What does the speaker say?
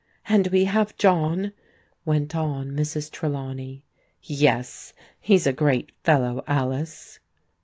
" And we have John," went on Mrs. Trelawney. " Yes. He's a great fellow, Alice."